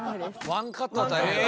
ワンカットは大変やな。